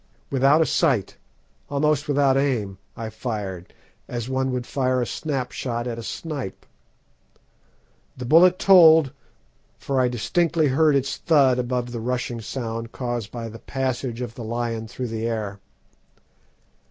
Without a sight, almost without aim, I fired, as one would fire a snap shot at a snipe. The bullet told, for I distinctly heard its thud above the rushing sound caused by the passage of the lion through the air.